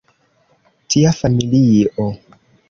Tia familio.